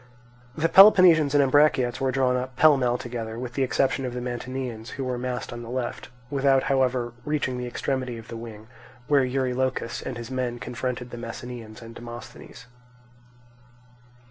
The Peloponnesians and Ambraciots were drawn up pell mell together, with the exception of the Mantineans, who were massed on the left, without however reaching to the extremity of the wing, where Eurylochus and his men confronted the Messenians and Demosthenes.